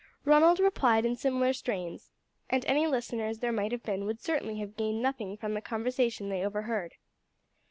Ronald replied in similar strains, and any listeners there might have been would certainly have gained nothing from the conversation they overheard.